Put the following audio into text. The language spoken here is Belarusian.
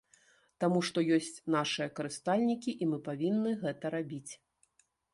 Таму што ёсць нашыя карыстальнікі і мы павінны гэта рабіць.